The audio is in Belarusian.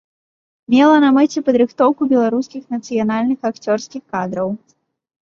Мела на мэце падрыхтоўку беларускіх нацыянальных акцёрскіх кадраў.